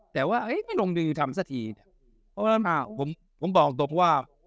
แต่ว่าเอ้ยไม่ลงดีทำสักทีเพราะฉะนั้นอ่าผมผมบอกตกว่า